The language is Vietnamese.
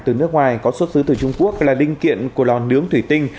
từ nước ngoài có xuất xứ từ trung quốc là linh kiện của lò nướng thủy tinh